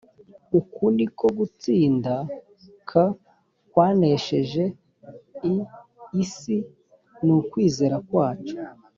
uku ni ko gutsinda k kwanesheje l isi ni ukwizera kwacu